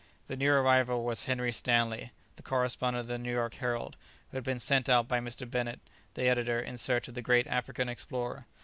The new arrival was Henry Stanley, the correspondent of the New York Herald, who had been sent out by Mr. Bennett, the editor, in search of the great African explorer.